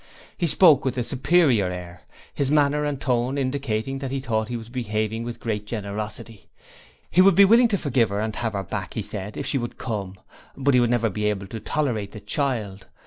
He spoke with a superior air: his manner and tone indicating that he thought he was behaving with great generosity. He would be willing to forgive her and have her back, he said, if she would come: but he would never be able to tolerate the child.